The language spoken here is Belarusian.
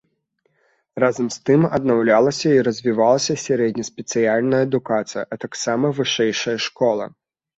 Разам з тым аднаўлялася і развівалася сярэднеспецыяльная адукацыя, а таксама вышэйшая школа.